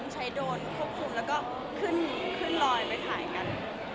ใช้โดรนควบคุมแล้วก็ขึ้นลอยไปถ่ายกัน